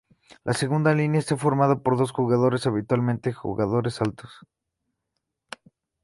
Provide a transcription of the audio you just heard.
La segunda línea está formada por dos jugadores, habitualmente jugadores altos.